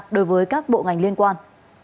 đối với các bộ ngành liên quan